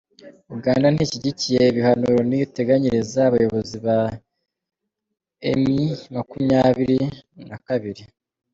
Uganda ntishyigikiye ibihano Loni iteganyiriza abayobozi ba em makumyabiri nakabiri